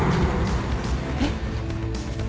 えっ？